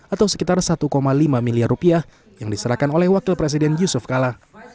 atau sekitar satu lima miliar rupiah yang diserahkan oleh wakil presiden yusuf kala